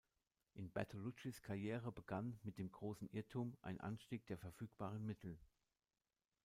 In Bertoluccis Karriere begann mit dem "Großen Irrtum" ein Anstieg der verfügbaren Mittel.